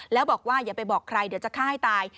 แล้วบอกว่าอย่าไปบอกใครเดี๋ยวจะฆ่าให้ตาย